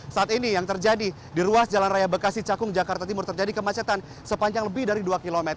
saat ini yang terjadi di ruas jalan raya bekasi cakung jakarta timur terjadi kemacetan sepanjang lebih dari dua km